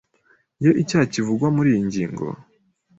Iyo icyaha kivugwa muri iyi ngingo